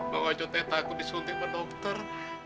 bang ojo takut disuntik ke dokter